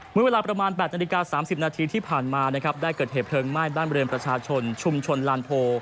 เมื่อเวลาประมาณ๘นาฬิกา๓๐นาทีที่ผ่านมานะครับได้เกิดเหตุเพลิงไหม้บ้านบริเวณประชาชนชุมชนลานโพ